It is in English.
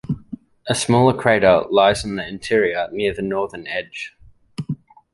A smaller crater lies on the interior near the northern edge.